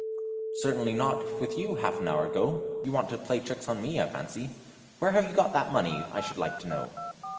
"Certainly not with you half an hour ago; you want to play tricks on me, I fancy; where have you got that money, I should like to know?"